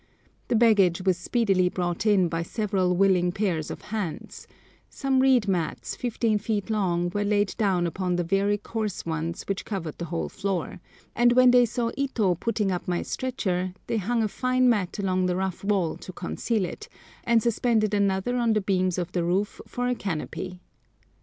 The baggage was speedily brought in by several willing pairs of hands; some reed mats fifteen feet long were laid down upon the very coarse ones which covered the whole floor, and when they saw Ito putting up my stretcher they hung a fine mat along the rough wall to conceal it, and suspended another on the beams of the roof for a canopy.